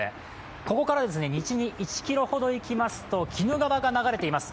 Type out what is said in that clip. ここから西に１ｋｍほど行きますと、鬼怒川が流れています。